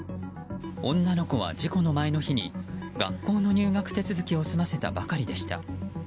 女の子は事故の前の日に学校の入学手続きを済ませたばかりでした。